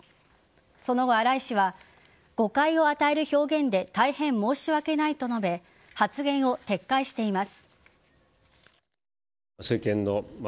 その後、荒井氏は誤解を与える表現で大変申し訳ないと述べ発言を撤回しています。